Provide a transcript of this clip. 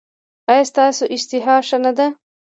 ایا ستاسو اشتها ښه نه ده؟